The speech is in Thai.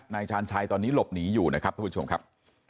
นายชาญชัยตอนนี้หลบหนีอยู่นะครับท่านผู้ชมครับ